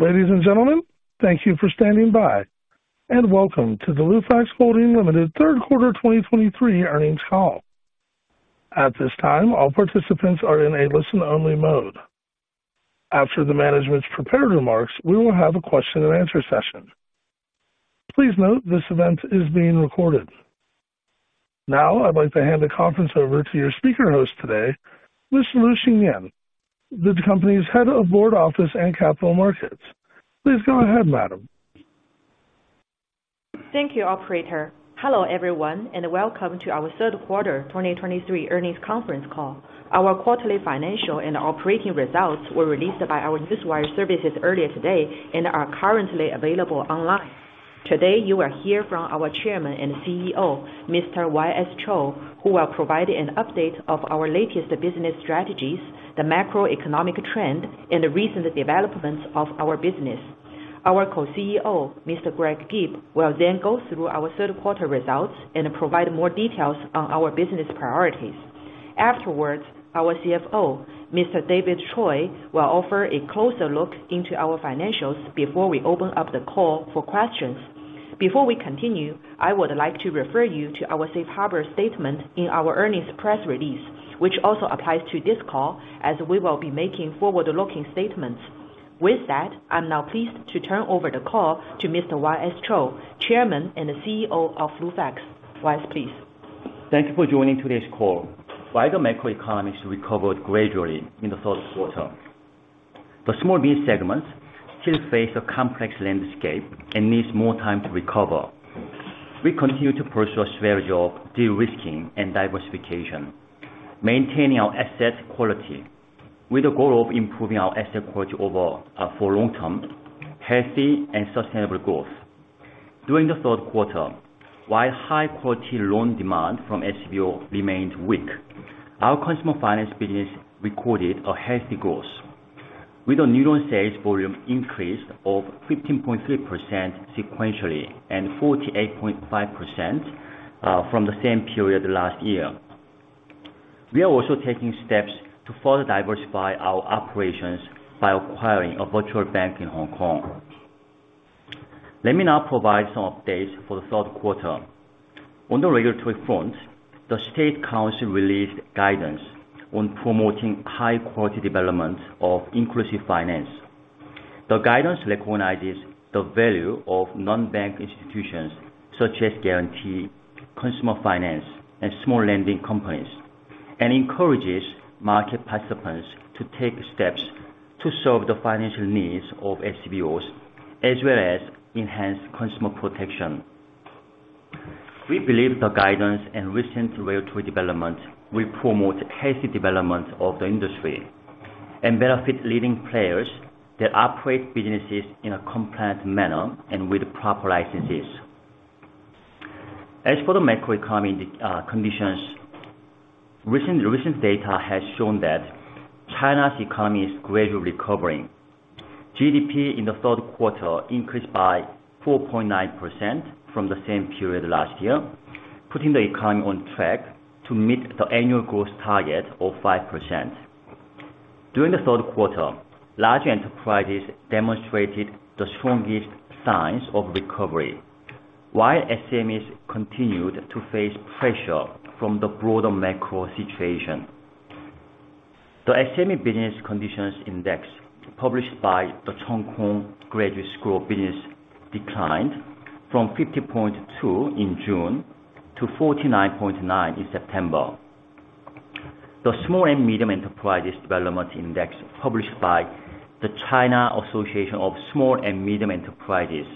Ladies and gentlemen, thank you for standing by, and welcome to the Lufax Holding Ltd Third Quarter 2023 Earnings Call. At this time, all participants are in a listen-only mode. After the management's prepared remarks, we will have a question and answer session. Please note, this event is being recorded. Now, I'd like to hand the conference over to your speaker host today, Ms. Liu Xinyan, the company's Head of Board Office and Capital Markets. Please go ahead, madam. Thank you, operator. Hello, everyone, and welcome to our third quarter 2023 earnings conference call. Our quarterly financial and operating results were released by our Newswire services earlier today and are currently available online. Today, you will hear from our Chairman and CEO, Mr. Y.S. Cho, who will provide an update of our latest business strategies, the macroeconomic trend, and the recent developments of our business. Our co-CEO, Mr. Greg Gibb, will then go through our third quarter results and provide more details on our business priorities. Afterwards, our CFO, Mr. David Choy, will offer a closer look into our financials before we open up the call for questions. Before we continue, I would like to refer you to our safe harbor statement in our earnings press release, which also applies to this call, as we will be making forward-looking statements. With that, I'm now pleased to turn over the call to Mr. Y.S. Cho, Chairman and CEO of Lufax. Y.S., please. Thank you for joining today's call. While the macroeconomics recovered gradually in the third quarter, the small business segments still face a complex landscape and needs more time to recover. We continue to pursue a strategy of de-risking and diversification, maintaining our asset quality with the goal of improving our asset quality over for long-term, healthy and sustainable growth. During the third quarter, while high-quality loan demand from SBO remained weak, our consumer finance business recorded a healthy growth, with a new loan sales volume increase of 15.3% sequentially, and 48.5% from the same period last year. We are also taking steps to further diversify our operations by acquiring a virtual bank in Hong Kong. Let me now provide some updates for the third quarter. On the regulatory front, the State Council released guidance on promoting high-quality development of inclusive finance. The guidance recognizes the value of non-bank institutions, such as guarantee consumer finance and small lending companies, and encourages market participants to take steps to serve the financial needs of SBOs, as well as enhance consumer protection. We believe the guidance and recent regulatory development will promote healthy development of the industry and benefit leading players that operate businesses in a compliant manner and with proper licenses. As for the macroeconomy, conditions, recent data has shown that China's economy is gradually recovering. GDP in the third quarter increased by 4.9% from the same period last year, putting the economy on track to meet the annual growth target of 5%. During the third quarter, large enterprises demonstrated the strongest signs of recovery, while SMEs continued to face pressure from the broader macro situation. The SME Business Conditions Index, published by the Cheung Kong Graduate School of Business, declined from 50.2 in June to 49.9 in September. The Small and Medium Enterprises Development Index, published by the China Association of Small and Medium Enterprises,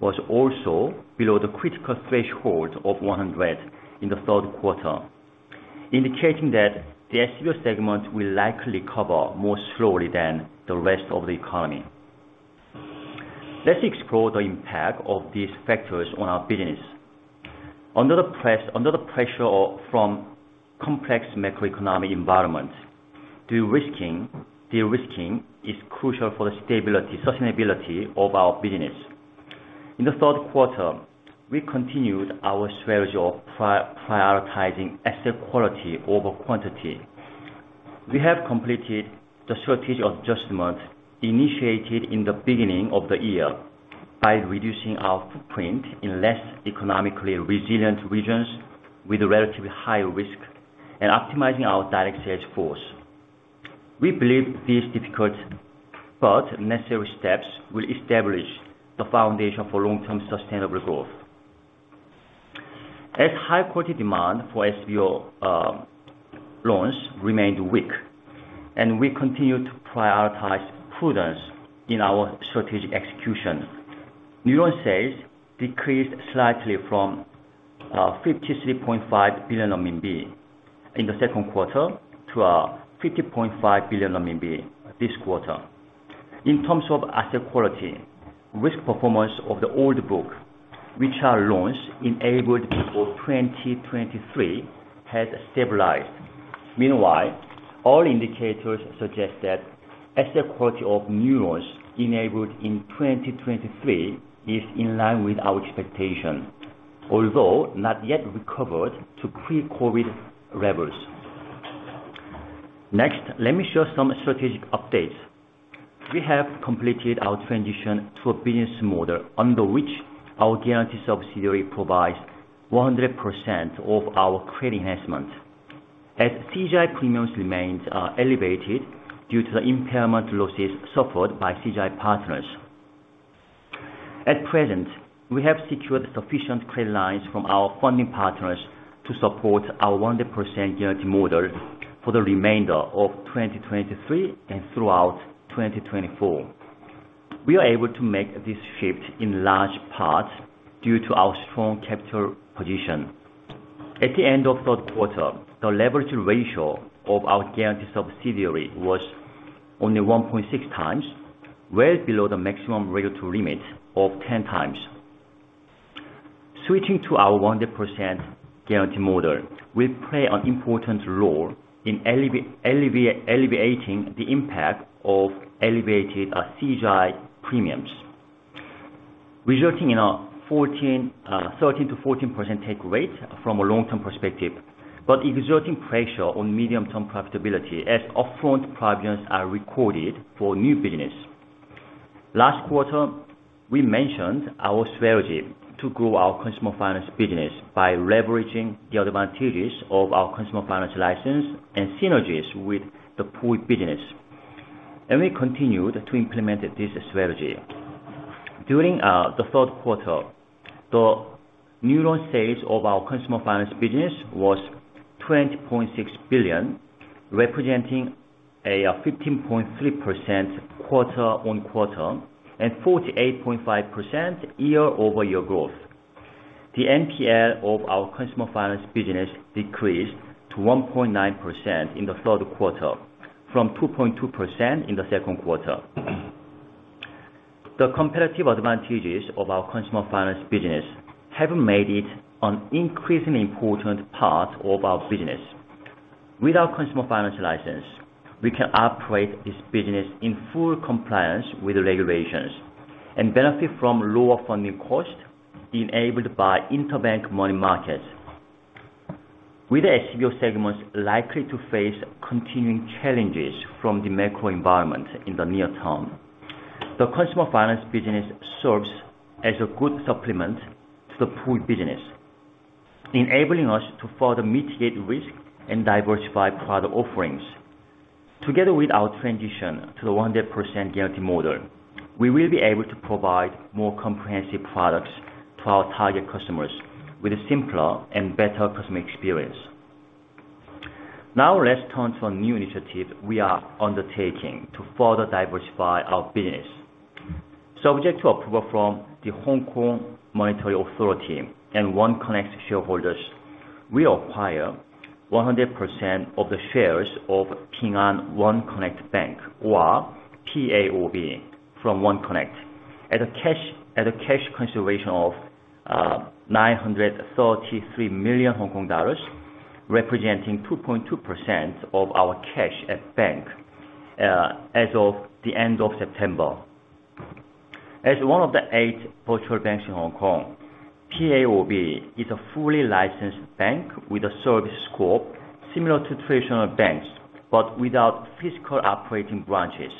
was also below the critical threshold of 100 in the third quarter, indicating that the SBO segment will likely recover more slowly than the rest of the economy. Let's explore the impact of these factors on our business. Under the pressure from complex macroeconomic environment, de-risking is crucial for the stability, sustainability of our business. In the third quarter, we continued our strategy of prioritizing asset quality over quantity. We have completed the strategic adjustment initiated in the beginning of the year by reducing our footprint in less economically resilient regions with relatively high risk and optimizing our direct sales force. We believe these difficult but necessary steps will establish the foundation for long-term sustainable growth. As high-quality demand for SBO loans remained weak, and we continued to prioritize prudence in our strategic execution, new loan sales decreased slightly from 53.5 billion RMB in the second quarter to 50.5 billion RMB this quarter. In terms of asset quality, risk performance of the old book, which are loans enabled before 2023, has stabilized. Meanwhile, all indicators suggest that asset quality of new loans enabled in 2023 is in line with our expectations, although not yet recovered to pre-COVID levels. Next, let me share some strategic updates. We have completed our transition to a business model, under which our guarantee subsidiary provides 100% of our credit enhancement, as CGI premiums remains elevated due to the impairment losses suffered by CGI partners. At present, we have secured sufficient credit lines from our funding partners to support our 100% guarantee model for the remainder of 2023 and throughout 2024. We are able to make this shift in large part due to our strong capital position. At the end of third quarter, the leverage ratio of our guarantee subsidiary was only 1.6x, well below the maximum regulatory limit of 10x. Switching to our 100% guarantee model will play an important role in alleviating the impact of elevated CGI premiums, resulting in a 13%-14% take rate from a long-term perspective, but exerting pressure on medium-term profitability as upfront provisions are recorded for new business. Last quarter, we mentioned our strategy to grow our consumer finance business by leveraging the advantages of our consumer finance license and synergies with the Puhui business, and we continued to implement this strategy. During the third quarter, the new loan sales of our consumer finance business was 20.6 billion, representing a 15.3% quarter-on-quarter, and 48.5% year-over-year growth. The NPL of our consumer finance business decreased to 1.9% in the third quarter, from 2.2% in the second quarter. The competitive advantages of our consumer finance business have made it an increasingly important part of our business. With our consumer finance license, we can operate this business in full compliance with the regulations, and benefit from lower funding costs enabled by interbank money markets. With the SBO segments likely to face continuing challenges from the macro environment in the near term, the consumer finance business serves as a good supplement to the Puhui business, enabling us to further mitigate risk and diversify product offerings. Together with our transition to the 100% guarantee model, we will be able to provide more comprehensive products to our target customers with a simpler and better customer experience. Now, let's turn to a new initiative we are undertaking to further diversify our business. Subject to approval from the Hong Kong Monetary Authority and OneConnect shareholders, we acquire 100% of the shares of Ping An OneConnect Bank, or PAOB, from OneConnect, at a cash consideration of 933 million Hong Kong dollars, representing 2.2% of our cash at bank as of the end of September. As one of the 8 virtual banks in Hong Kong, PAOB is a fully licensed bank with a service scope similar to traditional banks, but without physical operating branches.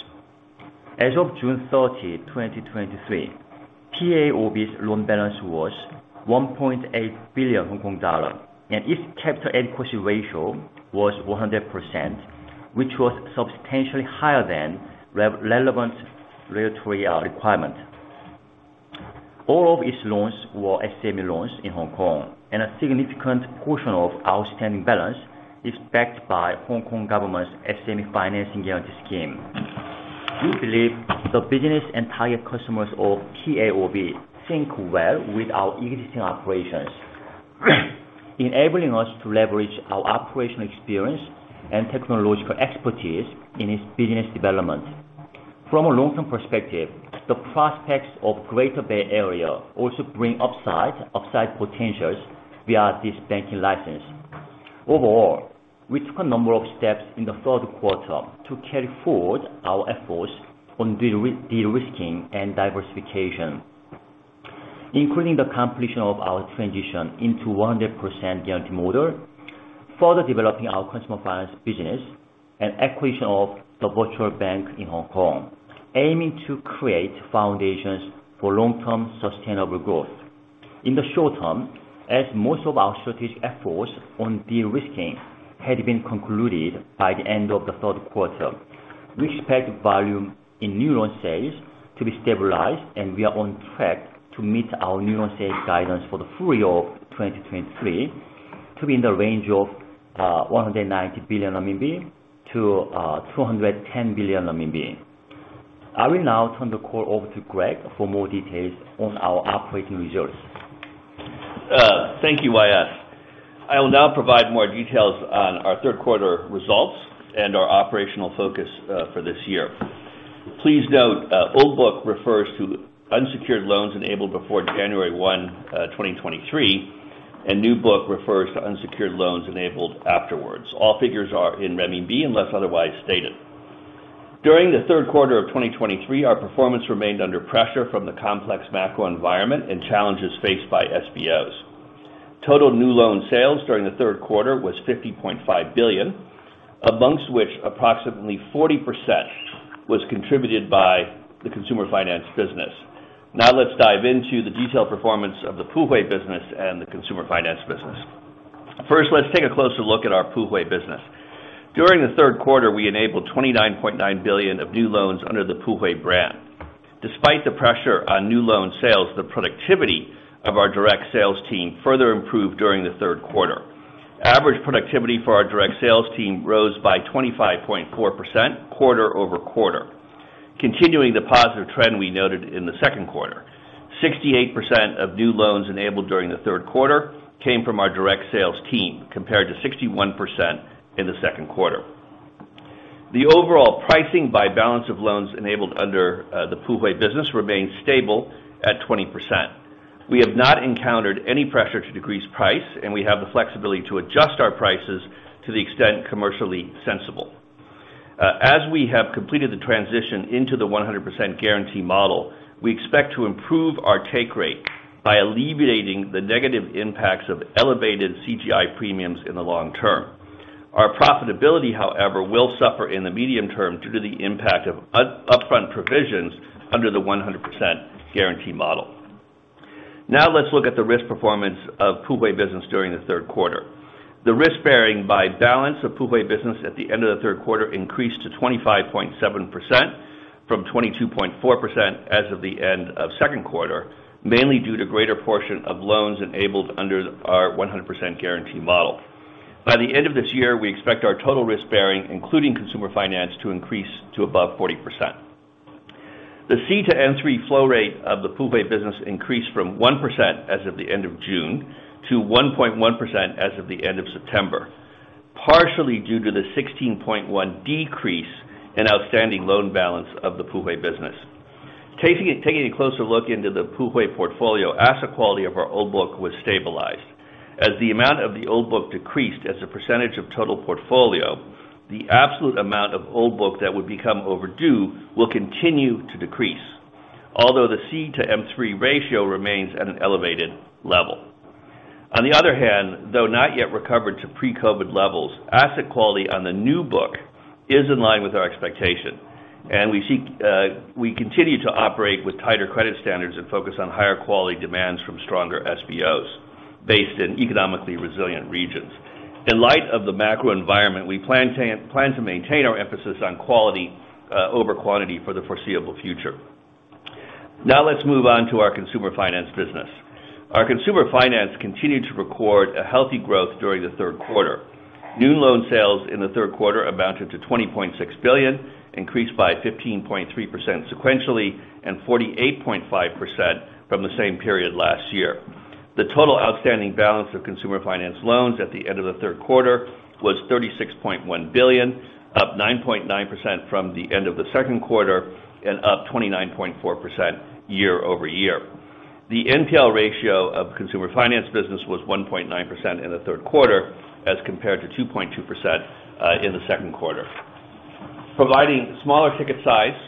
As of June 30, 2023, PAOB's loan balance was 1.8 billion Hong Kong dollar, and its capital adequacy ratio was 100%, which was substantially higher than relevant regulatory requirement. All of its loans were SME loans in Hong Kong, and a significant portion of outstanding balance is backed by Hong Kong government's SME financing guarantee scheme. We believe the business and target customers of PAOB sync well with our existing operations, enabling us to leverage our operational experience and technological expertise in its business development. From a long-term perspective, the prospects of Greater Bay Area also bring upside, upside potentials via this banking license. Overall, we took a number of steps in the third quarter to carry forward our efforts on de-risking and diversification, including the completion of our transition into 100% guarantee model, further developing our consumer finance business, and acquisition of the virtual bank in Hong Kong, aiming to create foundations for long-term sustainable growth. In the short term, as most of our strategic efforts on de-risking had been concluded by the end of the third quarter, we expect volume in new loan sales to be stabilized, and we are on track to meet our new loan sales guidance for the full year of 2023, to be in the range of 190 billion-210 billion RMB. I will now turn the call over to Greg for more details on our operating results. Thank you, Y.S. I will now provide more details on our third quarter results and our operational focus, for this year. Please note, old book refers to unsecured loans enabled before January 1, 2023, and new book refers to unsecured loans enabled afterwards. All figures are in renminbi, unless otherwise stated. During the third quarter of 2023, our performance remained under pressure from the complex macro environment and challenges faced by SBOs. Total new loan sales during the third quarter was 50.5 billion, among which approximately 40% was contributed by the consumer finance business. Now let's dive into the detailed performance of the Puhui business and the consumer finance business. First, let's take a closer look at our Puhui business. During the third quarter, we enabled 29.9 billion of new loans under the Puhui brand. Despite the pressure on new loan sales, the productivity of our direct sales team further improved during the third quarter. Average productivity for our direct sales team rose by 25.4% quarter-over-quarter. Continuing the positive trend we noted in the second quarter, 68% of new loans enabled during the third quarter came from our direct sales team, compared to 61% in the second quarter. The overall pricing by balance of loans enabled under the Puhui business remained stable at 20%. We have not encountered any pressure to decrease price, and we have the flexibility to adjust our prices to the extent commercially sensible. As we have completed the transition into the 100% guarantee model, we expect to improve our take rate by alleviating the negative impacts of elevated CGI premiums in the long term. Our profitability, however, will suffer in the medium term due to the impact of upfront provisions under the 100% guarantee model. Now let's look at the risk performance of Puhui business during the third quarter. The risk bearing by balance of Puhui business at the end of the third quarter increased to 25.7% from 22.4% as of the end of second quarter, mainly due to greater portion of loans enabled under our 100% guarantee model. By the end of this year, we expect our total risk bearing, including consumer finance, to increase to above 40%. The C to M3 flow rate of the Puhui business increased from 1% as of the end of June to 1.1% as of the end of September, partially due to the 16.1% decrease in outstanding loan balance of the Puhui business. Taking a closer look into the Puhui portfolio, asset quality of our old book was stabilized. As the amount of the old book decreased as a percentage of total portfolio, the absolute amount of old book that would become overdue will continue to decrease, although the C to M3 ratio remains at an elevated level. On the other hand, though not yet recovered to pre-COVID levels, asset quality on the new book is in line with our expectation, and we seek, we continue to operate with tighter credit standards and focus on higher quality demands from stronger SBOs based in economically resilient regions. In light of the macro environment, we plan to, plan to maintain our emphasis on quality, over quantity for the foreseeable future. Now let's move on to our consumer finance business. Our consumer finance continued to record a healthy growth during the third quarter. New loan sales in the third quarter amounted to 20.6 billion, increased by 15.3% sequentially and 48.5% from the same period last year. The total outstanding balance of consumer finance loans at the end of the third quarter was 36.1 billion, up 9.9% from the end of the second quarter and up 29.4% year-over-year. The NPL ratio of consumer finance business was 1.9% in the third quarter, as compared to 2.2%, in the second quarter. Providing smaller ticket size,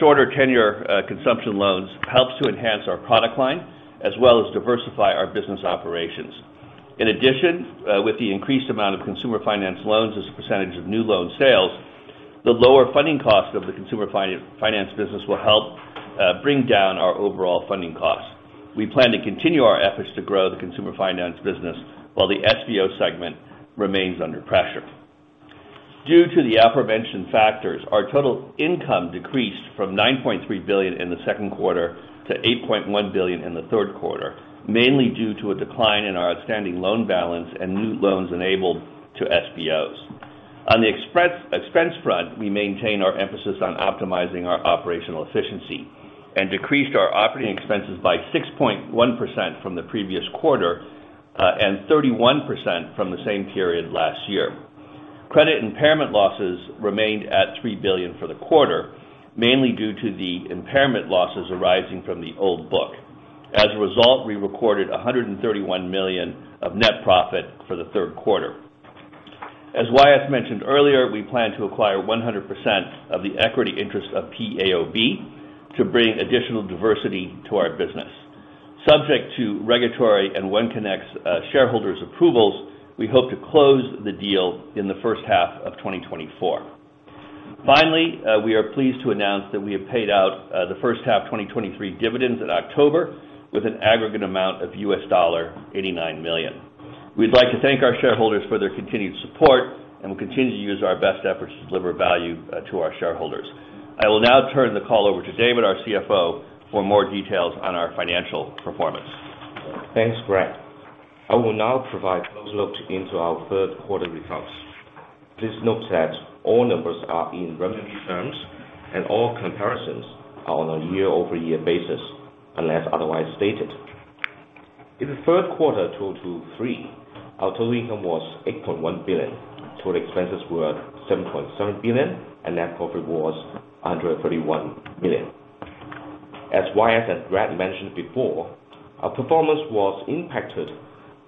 shorter tenure, consumption loans helps to enhance our product line as well as diversify our business operations. In addition, with the increased amount of consumer finance loans as a percentage of new loan sales, the lower funding cost of the consumer finance business will help, bring down our overall funding costs. We plan to continue our efforts to grow the consumer finance business while the SBO segment remains under pressure. Due to the aforementioned factors, our total income decreased from 9.3 billion in the second quarter to 8.1 billion in the third quarter, mainly due to a decline in our outstanding loan balance and new loans enabled to SBOs. On the expense front, we maintain our emphasis on optimizing our operational efficiency and decreased our operating expenses by 6.1% from the previous quarter, and 31% from the same period last year. Credit impairment losses remained at 3 billion for the quarter, mainly due to the impairment losses arising from the old book. As a result, we recorded 131 million of net profit for the third quarter. As Y.S. mentioned earlier, we plan to acquire 100% of the equity interest of PAOB to bring additional diversity to our business. Subject to regulatory and OneConnect's shareholders approvals, we hope to close the deal in the first half of 2024. Finally, we are pleased to announce that we have paid out the first half 2023 dividends in October with an aggregate amount of $89 million. We'd like to thank our shareholders for their continued support, and we'll continue to use our best efforts to deliver value to our shareholders. I will now turn the call over to David, our CFO, for more details on our financial performance. Thanks, Greg. I will now provide a close look into our third quarter results. Please note that all numbers are in revenue terms, and all comparisons are on a year-over-year basis, unless otherwise stated. In the third quarter 2023, our total income was 8.1 billion, total expenses were 7.7 billion, and net profit was 131 million. As Y.S. and Greg mentioned before, our performance was impacted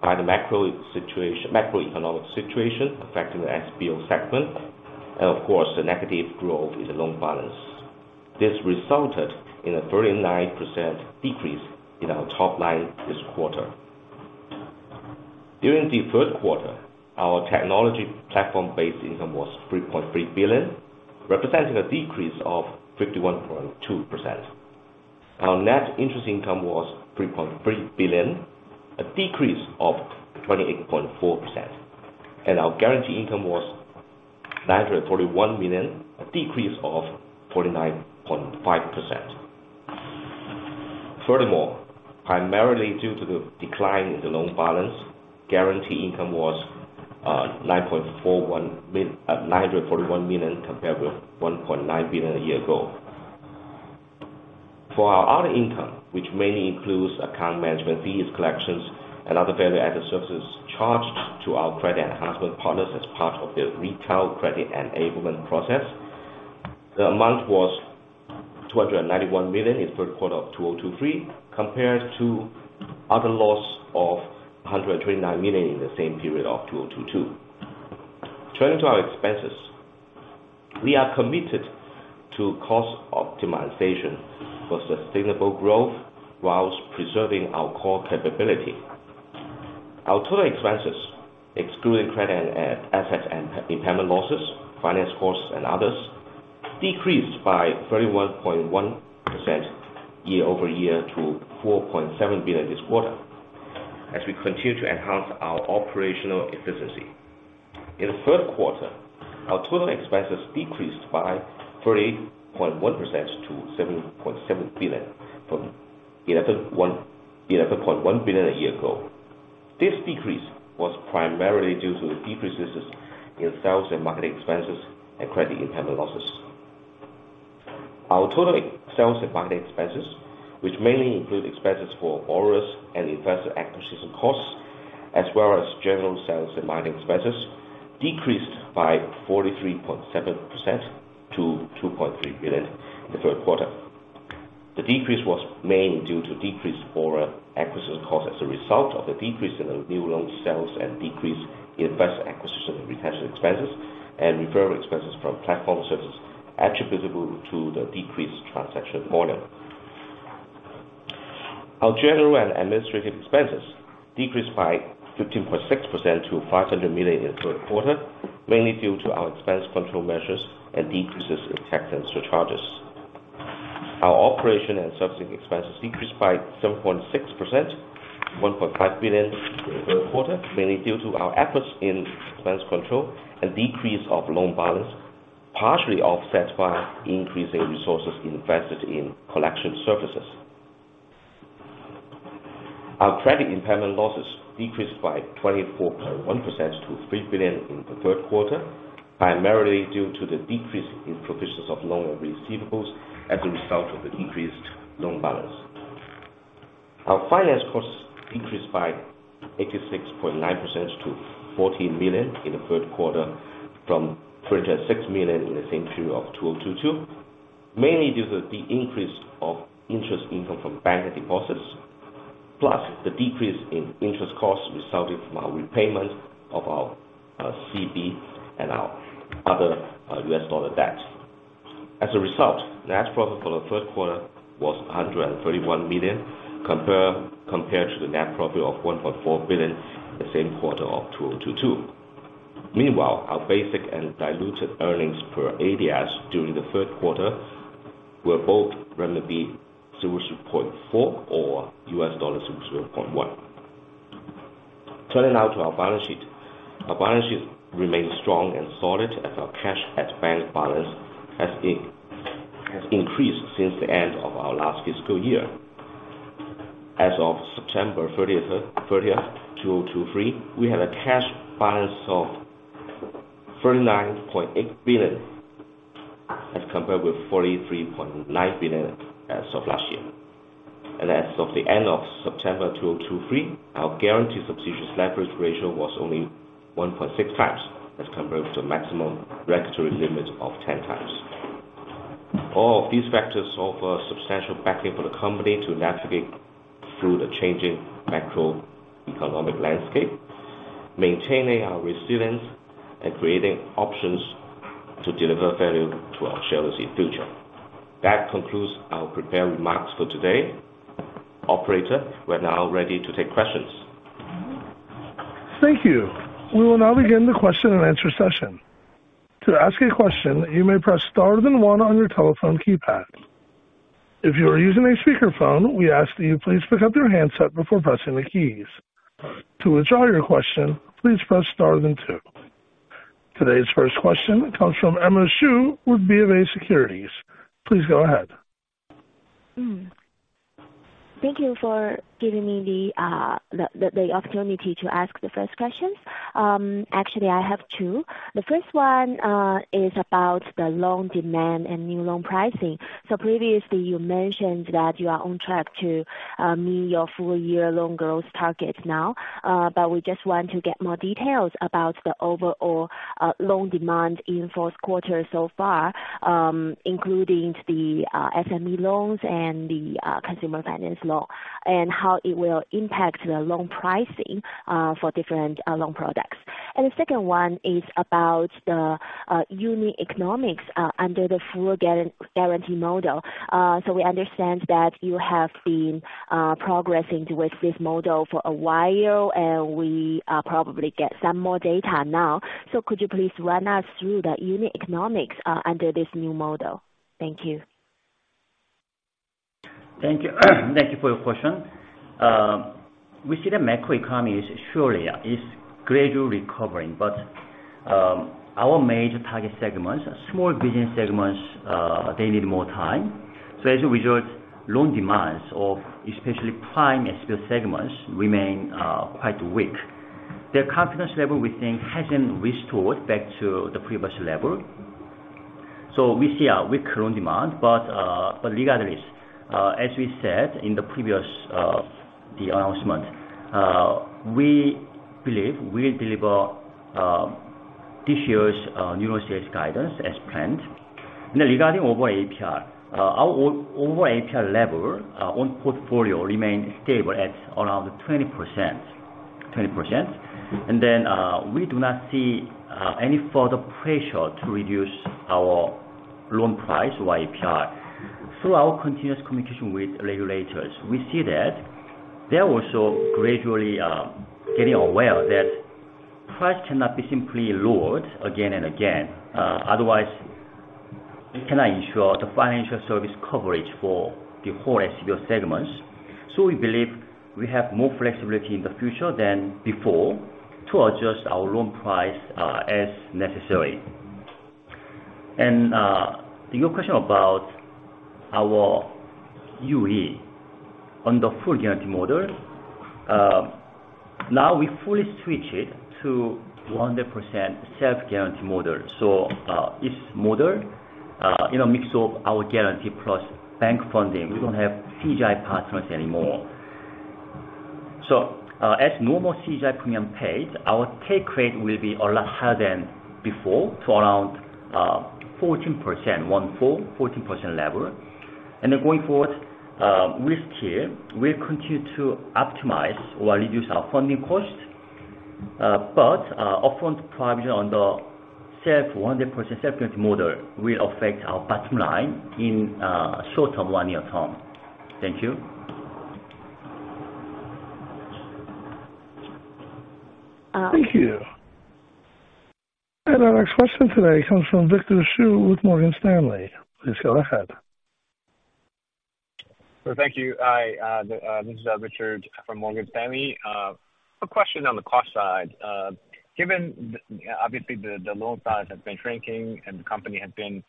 by the macro situation, macroeconomic situation, affecting the SBO segment and of course, the negative growth in the loan balance. This resulted in a 39% decrease in our top line this quarter. During the first quarter, our technology platform-based income was 3.3 billion, representing a decrease of 51.2%. Our net interest income was 3.3 billion, a decrease of 28.4%, and our guarantee income was 941 million, a decrease of 49.5%. Furthermore, primarily due to the decline in the loan balance, guarantee income was nine hundred and forty-one million, compared with 1.9 billion a year ago. For our other income, which mainly includes account management fees, collections, and other value-added services charged to our credit enhancement partners as part of their retail credit enablement process, the amount was 291 million in the third quarter of 2023, compared to other loss of 129 million in the same period of 2022. Turning to our expenses, we are committed to cost optimization for sustainable growth while preserving our core capability. Our total expenses, excluding credit and assets and impairment losses, finance costs and others, decreased by 31.1% year-over-year to 4.7 billion this quarter, as we continue to enhance our operational efficiency. In the third quarter, our total expenses decreased by 30.1% to 7.7 billion from 11.1 billion a year ago. This decrease was primarily due to the decreases in sales and marketing expenses and credit impairment losses. Our total sales and marketing expenses, which mainly include expenses for borrowers and investor acquisition costs, as well as general sales and marketing expenses, decreased by 43.7% to 2.3 billion in the third quarter. The decrease was mainly due to decreased borrower acquisition costs as a result of the decrease in the new loan sales and decrease in investor acquisition and retention expenses, and referral expenses from platform services attributable to the decreased transaction volume. Our general and administrative expenses decreased by 15.6% to 500 million in the third quarter, mainly due to our expense control measures and decreases in tax and surcharges. Our operation and servicing expenses increased by 7.6%, to 1.5 billion in the third quarter, mainly due to our efforts in expense control and decrease of loan balance, partially offset by increasing resources invested in collection services. Our credit impairment losses decreased by 24.1% to 3 billion in the third quarter, primarily due to the decrease in provisions of loan and receivables as a result of the decreased loan balance. Our finance costs increased by 86.9% to 14 million in the third quarter, from 36 million in the same period of 2022, mainly due to the increase of interest income from bank deposits, plus the decrease in interest costs resulting from our repayment of our CB and our other US dollar debt. As a result, net profit for the third quarter was 131 million, compared to the net profit of 1.4 billion in the same quarter of 2022. Meanwhile, our basic and diluted earnings per ADS during the third quarter were both 0.4 or $0.1. Turning now to our balance sheet. Our balance sheet remains strong and solid as our cash at bank balance has increased since the end of our last fiscal year. As of September 30, 2023, we had a cash balance of 39.8 billion, as compared with 43.9 billion as of last year. And as of the end of September 2023, our guarantee subsidiary leverage ratio was only 1.6x, as compared to the maximum regulatory limit of 10x. All of these factors offer substantial backing for the company to navigate through the changing macroeconomic landscape, maintaining our resilience and creating options to deliver value to our shareholders in future. That concludes our prepared remarks for today. Operator, we're now ready to take questions. Thank you. We will now begin the question and answer session. To ask a question, you may press star then one on your telephone keypad. If you are using a speakerphone, we ask that you please pick up your handset before pressing the keys. To withdraw your question, please press star then two. Today's first question comes from Emma Xu with BofA Securities. Please go ahead. Thank you for giving me the opportunity to ask the first question. Actually, I have two. The first one is about the loan demand and new loan pricing. So previously, you mentioned that you are on track to meet your full year loan growth targets now, but we just want to get more details about the overall loan demand in fourth quarter so far, including the SME loans and the consumer finance loan, and how it will impact the loan pricing for different loan products. The second one is about the unique economics under the full guarantee model. So we understand that you have been progressing with this model for a while, and we probably get some more data now. So could you please run us through the unique economics under this new model? Thank you. Thank you. Thank you for your question. We see the macroeconomy is surely, is gradually recovering, but, our major target segments, small business segments, they need more time. So as a result, loan demands of especially prime SME segments remain, quite weak. Their confidence level, we think, hasn't restored back to the previous level. So we see a weak loan demand, but, but regardless, as we said in the previous, the announcement, we believe we'll deliver, this year's, new sales guidance as planned. Now, regarding over APR, our o- over APR level, on portfolio remain stable at around 20%, 20%. And then, we do not see, any further pressure to reduce our loan price, APR. Through our continuous communication with regulators, we see that they're also gradually getting aware that price cannot be simply lowered again and again, otherwise, it cannot ensure the financial service coverage for the whole SME segments. So we believe we have more flexibility in the future than before, to adjust our loan price, as necessary. And, your question about our UE on the full guarantee model, now we fully switch it to 100% self-guarantee model. So, this model, in a mix of our guarantee plus bank funding, we don't have CGI partners anymore. So, as normal CGI premium pays, our take rate will be a lot higher than before, to around 14%, 14, 14% level. Then going forward, with tier, we'll continue to optimize or reduce our funding costs, but upfront provision on the self 100% self-guarantee model will affect our bottom line in short of one-year term. Thank you. Uh- Thank you. Our next question today comes from Victor Xu, with Morgan Stanley. Please go ahead. So thank you. This is Victor from Morgan Stanley. A question on the cost side. Given the, obviously, the loan size has been shrinking and the company has been,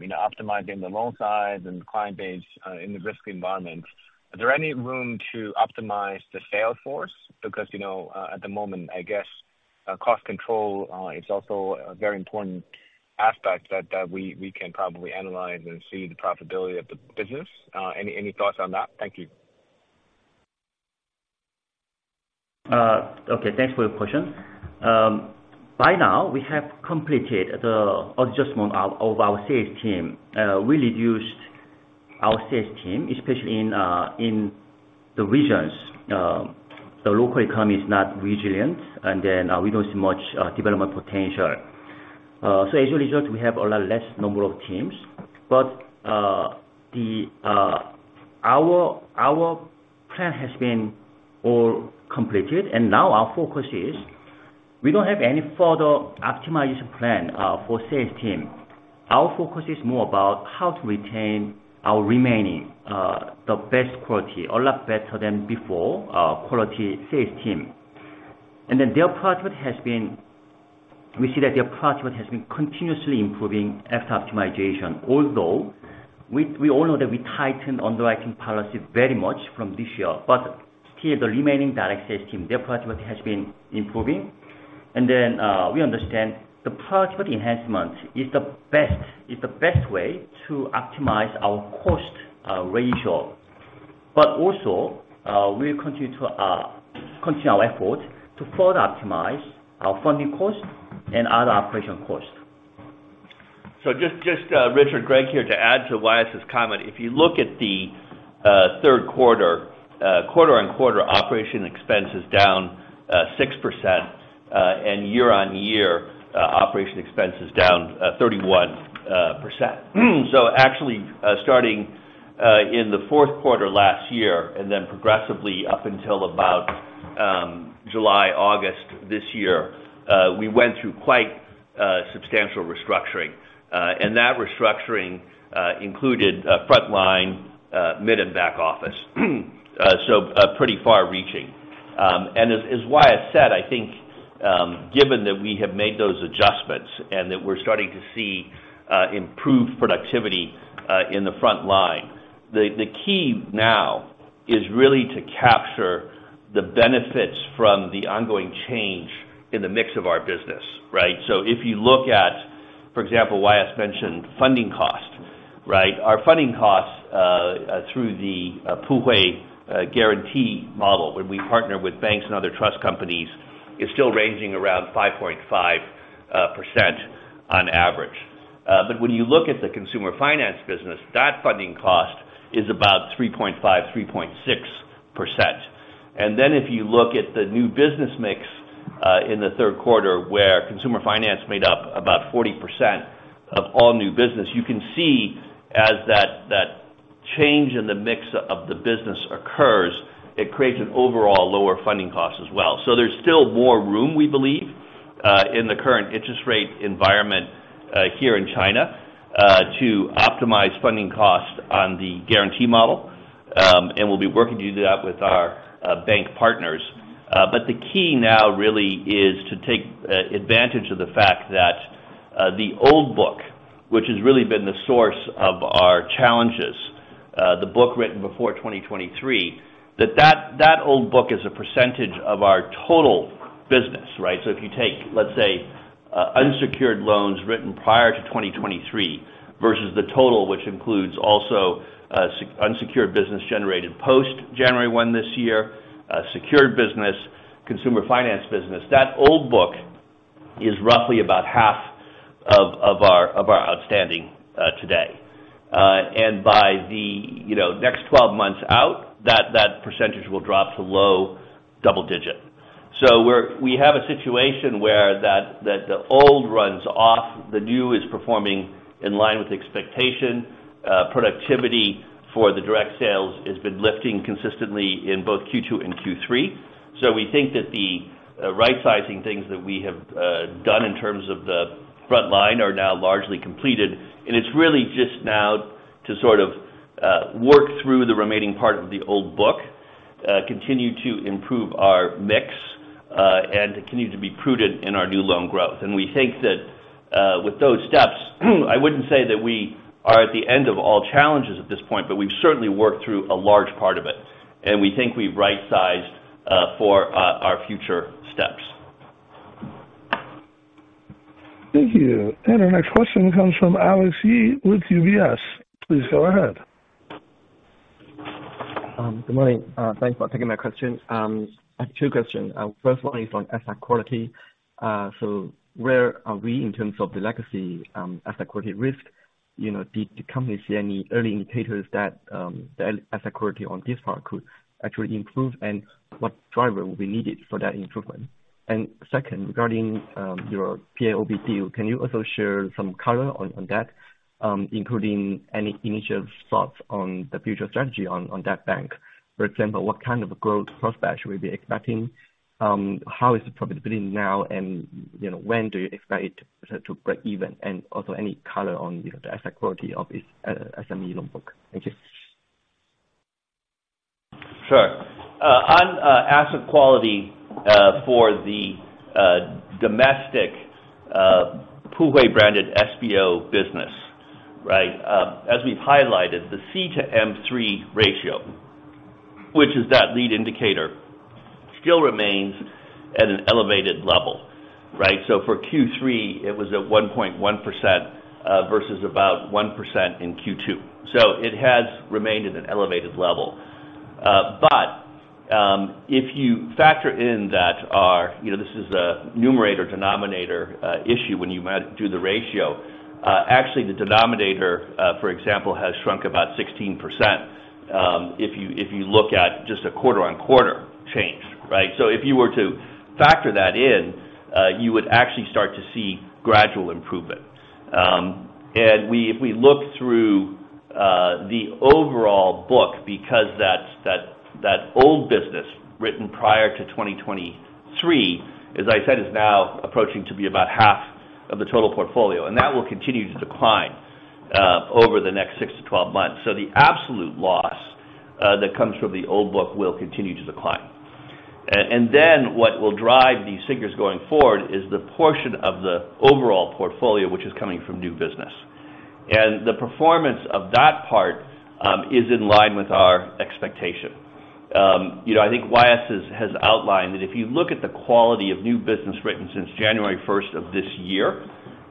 you know, optimizing the loan size and the client base, in the risky environment, is there any room to optimize the sales force? Because, you know, at the moment, I guess, cost control is also a very important aspect that we can probably analyze and see the profitability of the business. Any thoughts on that? Thank you. Okay, thanks for your question. By now, we have completed the adjustment of our sales team. We reduced our sales team, especially in the regions the local economy is not resilient, and then we don't see much development potential. So as a result, we have a lot less number of teams, but our plan has been all completed, and now our focus is, we don't have any further optimization plan for sales team. Our focus is more about how to retain our remaining the best quality, a lot better than before, quality sales team. And then their product has been—we see that their product has been continuously improving after optimization, although we all know that we tightened underwriting policy very much from this year, but still the remaining direct sales team, their productivity has been improving. And then, we understand the productivity enhancement is the best, is the best way to optimize our cost ratio. But also, we'll continue to continue our efforts to further optimize our funding costs and other operational costs. So just, Richard, Greg here, to add to Y.S.'s comment, if you look at the third quarter, quarter-on-quarter, operating expense is down 6%, and year-on-year, operating expense is down 31%. So actually, starting in the fourth quarter last year, and then progressively up until about July, August this year, we went through quite substantial restructuring. And that restructuring included frontline, mid and back office. So pretty far-reaching. And as Y.S. said, I think, given that we have made those adjustments and that we're starting to see improved productivity in the front line, the key now is really to capture the benefits from the ongoing change in the mix of our business, right? So if you look at, for example, Y.S. mentioned funding costs, right? Our funding costs through the Puhui guarantee model, where we partner with banks and other trust companies, is still ranging around 5.5% on average. But when you look at the consumer finance business, that funding cost is about 3.5%-3.6%. And then if you look at the new business mix in the third quarter, where consumer finance made up about 40% of all new business, you can see as that change in the mix of the business occurs, it creates an overall lower funding cost as well. So there's still more room, we believe, in the current interest rate environment here in China to optimize funding costs on the guarantee model. And we'll be working to do that with our bank partners. But the key now really is to take advantage of the fact that the old book, which has really been the source of our challenges, the book written before 2023, that old book is a percentage of our total business, right? So if you take, let's say, unsecured loans written prior to 2023 versus the total, which includes also unsecured business generated post January 1 this year, secured business, consumer finance business. That old book is roughly about half of our outstanding today. And by the, you know, next 12 months out, that percentage will drop to low double digit. So we're—we have a situation where the old runs off, the new is performing in line with expectation. Productivity for the direct sales has been lifting consistently in both Q2 and Q3. So we think that the rightsizing things that we have done in terms of the frontline are now largely completed, and it's really just now to sort of work through the remaining part of the old book, continue to improve our mix, and continue to be prudent in our new loan growth. And we think that with those steps, I wouldn't say that we are at the end of all challenges at this point, but we've certainly worked through a large part of it. And we think we've right-sized for our future steps. Thank you. Our next question comes from Alex Ye with UBS. Please go ahead. Good morning, thanks for taking my question. I have two questions. First one is on asset quality. So where are we in terms of the legacy asset quality risk? You know, did the company see any early indicators that the asset quality on this part could actually improve, and what driver will be needed for that improvement? And second, regarding your PAOB deal, can you also share some color on that, including any initial thoughts on the future strategy on that bank? For example, what kind of growth prospects should we be expecting? How is the profitability now, and, you know, when do you expect it to break even? And also any color on the asset quality of this SME loan book. Thank you. Sure. On asset quality for the domestic Puhui-branded SBO business, right? As we've highlighted, the C to M3 ratio, which is that lead indicator, still remains at an elevated level, right? So for Q3, it was at 1.1%, versus about 1% in Q2. So it has remained at an elevated level. But if you factor in that our, you know, this is a numerator, denominator issue when you do the ratio. Actually, the denominator, for example, has shrunk about 16%, if you look at just a quarter-on-quarter change, right? So if you were to factor that in, you would actually start to see gradual improvement. If we look through the overall book, because that old business written prior to 2023, as I said, is now approaching to be about half of the total portfolio, and that will continue to decline over the next six to 12 months. So the absolute loss that comes from the old book will continue to decline. And then what will drive these figures going forward is the portion of the overall portfolio, which is coming from new business. The performance of that part is in line with our expectation. You know, I think Y.S. has outlined that if you look at the quality of new business written since January 1 of this year,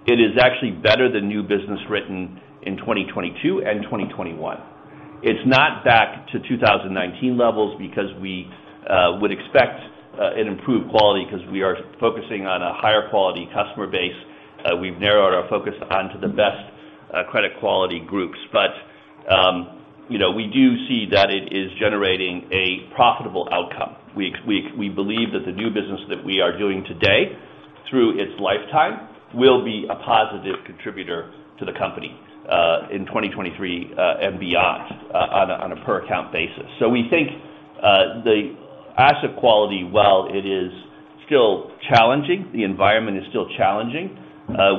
it is actually better than new business written in 2022 and 2021. It's not back to 2019 levels because we would expect an improved quality because we are focusing on a higher quality customer base. We've narrowed our focus on to the best credit quality groups. But, you know, we do see that it is generating a profitable outcome. We, we, we believe that the new business that we are doing today, through its lifetime, will be a positive contributor to the company in 2023 and beyond on a, on a per account basis. So we think the asset quality, while it is still challenging, the environment is still challenging,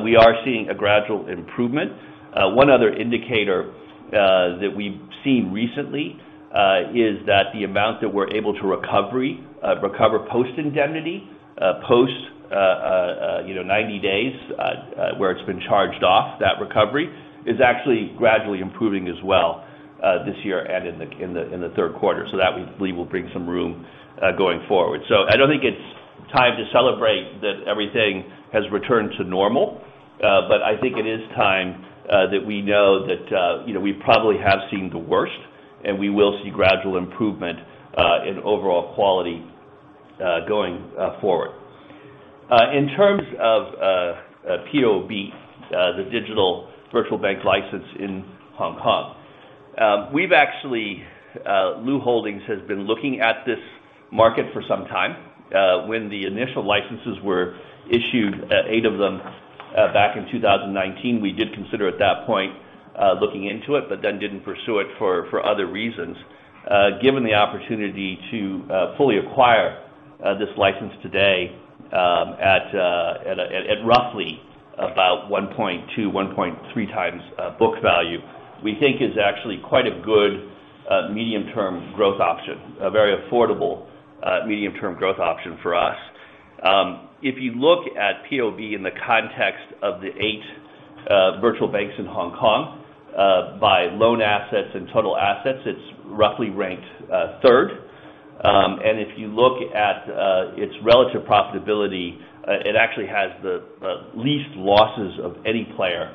we are seeing a gradual improvement. One other indicator that we've seen recently is that the amount that we're able to recover post indemnity, post, you know, 90 days, where it's been charged off, that recovery, is actually gradually improving as well, this year and in the third quarter. So that we believe will bring some room, going forward. So I don't think it's time to celebrate that everything has returned to normal. But I think it is time that we know that, you know, we probably have seen the worst, and we will see gradual improvement in overall quality, going forward. In terms of PAOB, the digital virtual bank license in Hong Kong. We've actually, Lufax Holding has been looking at this market for some time. When the initial licenses were issued, eight of them, back in 2019, we did consider at that point looking into it, but then didn't pursue it for other reasons. Given the opportunity to fully acquire this license today, at roughly about 1.2-1.3x book value, we think is actually quite a good medium-term growth option, a very affordable medium-term growth option for us. If you look at PAOB in the context of the eight virtual banks in Hong Kong, by loan assets and total assets, it's roughly ranked third. And if you look at its relative profitability, it actually has the least losses of any player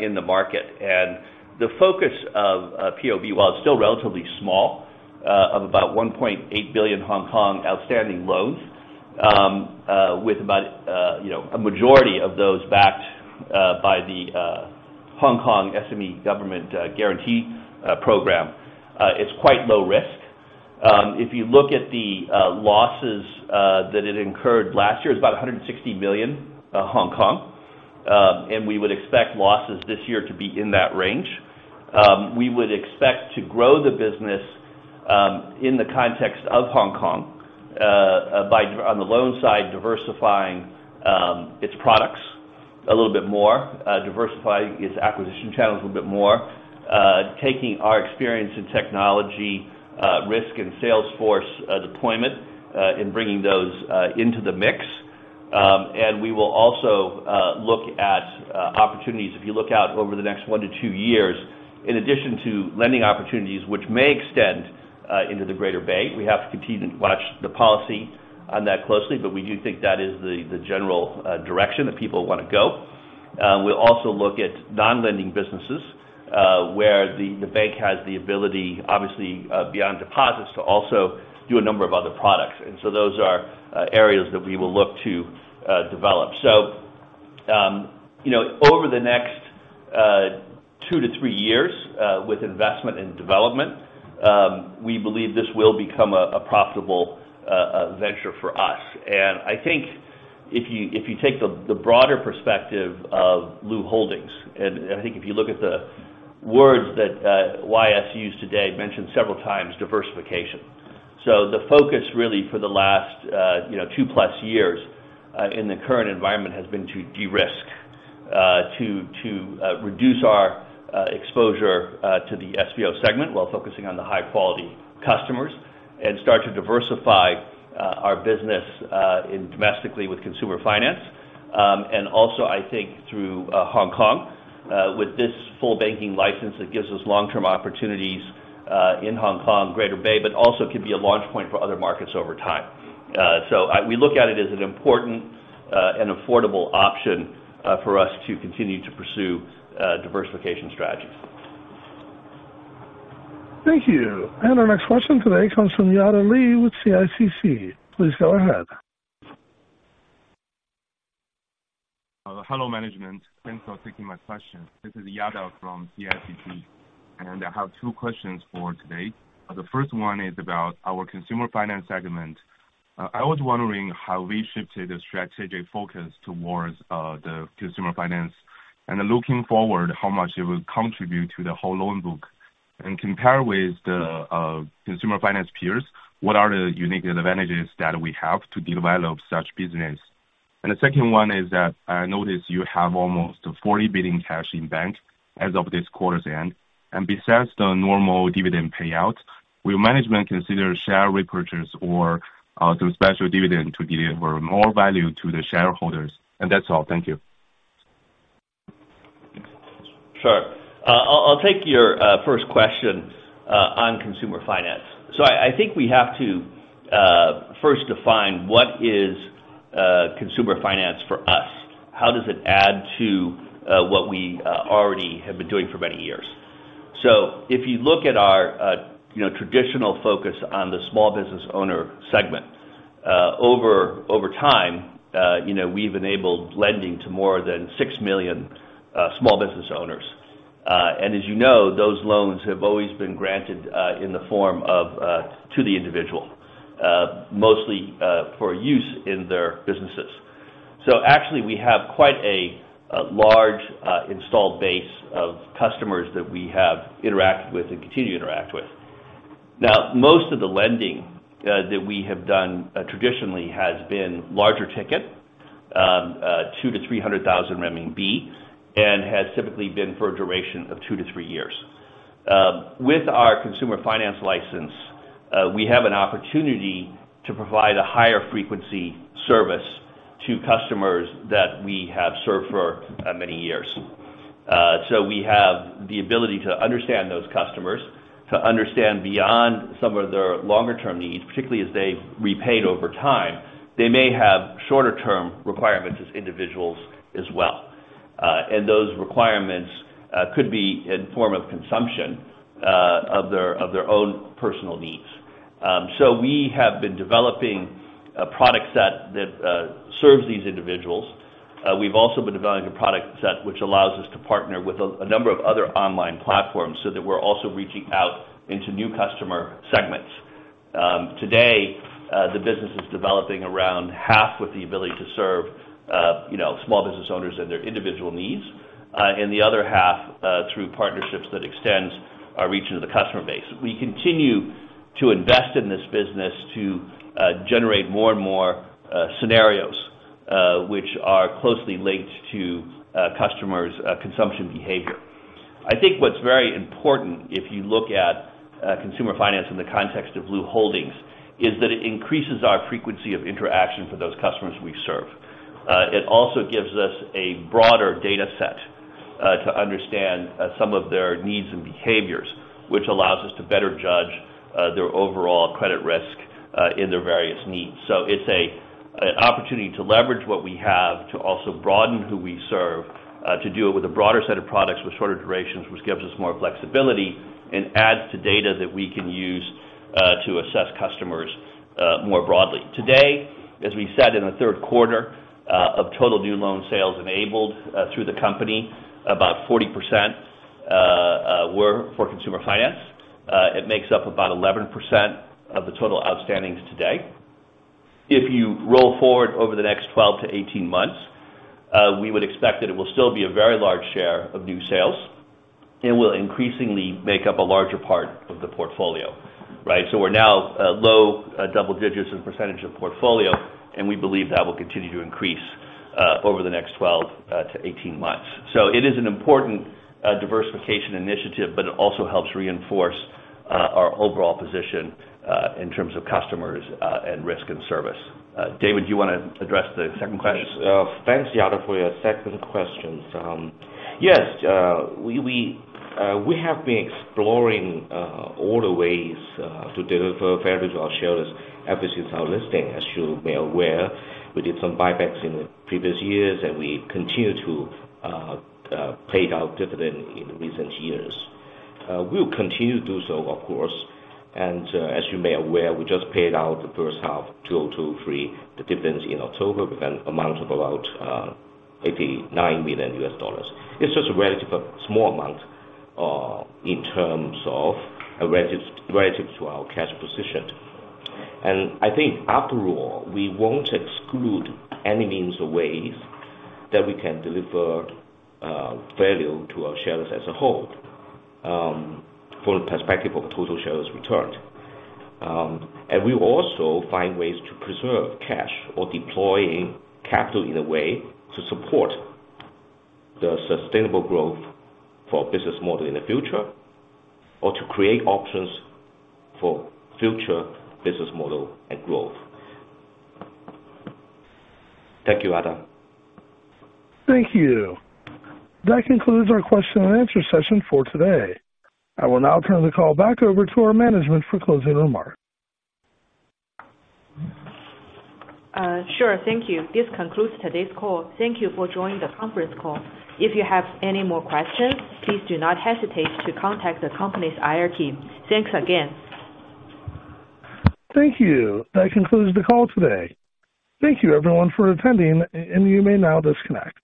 in the market. And the focus of PAOB, while it's still relatively small, of about 1.8 billion Hong Kong outstanding loans, with about, you know, a majority of those backed by the Hong Kong SME government guarantee program, it's quite low risk. If you look at the losses that it incurred last year, it's about 160 million Hong Kong. And we would expect losses this year to be in that range. We would expect to grow the business, in the context of Hong Kong, by diversifying on the loan side, its products a little bit more, diversifying its acquisition channels a little bit more. Taking our experience in technology, risk and sales force deployment, and bringing those into the mix. And we will also look at opportunities, if you look out over the next one-two years, in addition to lending opportunities, which may extend into the Greater Bay. We have to continue to watch the policy on that closely, but we do think that is the general direction that people want to go. We'll also look at non-lending businesses, where the bank has the ability, obviously, beyond deposits, to also do a number of other products. And so those are areas that we will look to develop. So, you know, over the next two-three years, with investment and development, we believe this will become a profitable venture for us. I think if you take the broader perspective of Lufax Holding, and I think if you look at the words that Y.S. used today, mentioned several times, diversification. So the focus really for the last, you know, 2+ years, in the current environment, has been to de-risk, to reduce our exposure to the SBO segment, while focusing on the high-quality customers, and start to diversify our business in domestically with consumer finance. And also, I think through Hong Kong, with this full banking license, that gives us long-term opportunities in Hong Kong, Greater Bay, but also could be a launch point for other markets over time. So we look at it as an important and affordable option for us to continue to pursue diversification strategies. Thank you. Our next question today comes from Yada Li with CICC. Please go ahead. Hello, management. Thanks for taking my question. This is Yada from CICC, and I have two questions for today. The first one is about our consumer finance segment. I was wondering how we shifted the strategic focus towards the consumer finance, and looking forward, how much it will contribute to the whole loan book? Compare with the consumer finance peers, what are the unique advantages that we have to develop such business? The second one is that I notice you have almost 40 billion cash in bank as of this quarter's end. Besides the normal dividend payout, will management consider share repurchase or some special dividend to deliver more value to the shareholders? That's all. Thank you. Sure. I'll take your first question on consumer finance. So I think we have to first define what is consumer finance for us. How does it add to what we already have been doing for many years? So if you look at our you know, traditional focus on the small business owner segment, over time, you know, we've enabled lending to more than 6 million small business owners. And as you know, those loans have always been granted in the form of to the individual, mostly for use in their businesses. So actually, we have quite a large installed base of customers that we have interacted with and continue to interact with. Now, most of the lending that we have done traditionally has been larger ticket, two to three hundred thousand renminbi, and has typically been for a duration of two-three years. With our consumer finance license, we have an opportunity to provide a higher frequency service to customers that we have served for many years. So we have the ability to understand those customers, to understand beyond some of their longer term needs, particularly as they've repaid over time. They may have shorter term requirements as individuals as well. And those requirements could be in form of consumption of their own personal needs. So we have been developing a product set that serves these individuals. We've also been developing a product set which allows us to partner with a number of other online platforms, so that we're also reaching out into new customer segments. Today, the business is developing around half with the ability to serve, you know, small business owners and their individual needs, and the other half through partnerships that extends our reach into the customer base. We continue to invest in this business to generate more and more scenarios which are closely linked to customers' consumption behavior. I think what's very important, if you look at consumer finance in the context of Blue Holdings, is that it increases our frequency of interaction for those customers we serve. It also gives us a broader data set to understand some of their needs and behaviors, which allows us to better judge their overall credit risk in their various needs. So it's an opportunity to leverage what we have, to also broaden who we serve to do it with a broader set of products, with shorter durations, which gives us more flexibility and adds to data that we can use to assess customers more broadly. Today, as we said, in the third quarter of total new loan sales enabled through the company, about 40% were for consumer finance. It makes up about 11% of the total outstandings today. If you roll forward over the next 12-18 months, we would expect that it will still be a very large share of new sales, and will increasingly make up a larger part of the portfolio, right? So we're now low double digits% of portfolio, and we believe that will continue to increase over the next 12-18 months. So it is an important diversification initiative, but it also helps reinforce our overall position in terms of customers and risk and service. David, do you want to address the second question? Yes. Thanks, Yada, for your second question. Yes, we have been exploring all the ways to deliver value to our shareholders ever since our listing. As you may be aware, we did some buybacks in the previous years, and we continue to pay out dividend in recent years. We'll continue to do so, of course, and as you may be aware, we just paid out the first half 2023 the dividends in October, with an amount of about $89 million. It's just a relatively small amount in terms of relative to our cash position. I think after all, we won't exclude any means or ways that we can deliver value to our shareholders as a whole, for the perspective of total shares returned. We will also find ways to preserve cash or deploying capital in a way to support the sustainable growth for our business model in the future, or to create options for future business model and growth. Thank you, Yada. Thank you. That concludes our question and answer session for today. I will now turn the call back over to our management for closing remarks. Sure. Thank you. This concludes today's call. Thank you for joining the conference call. If you have any more questions, please do not hesitate to contact the company's IR team. Thanks again. Thank you. That concludes the call today. Thank you, everyone, for attending, and you may now disconnect.